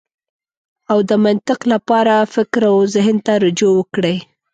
او د منطق لپاره فکر او زهن ته رجوع وکړئ.